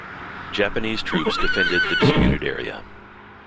Japanese troops defended the disputed area.